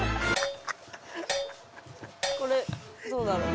これどうだろう。